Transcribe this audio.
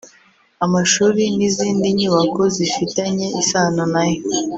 amashuri n’izindi nyubako zifitanye isano na yo